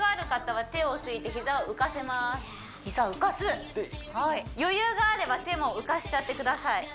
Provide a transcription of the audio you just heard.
はい余裕があれば手も浮かしちゃってください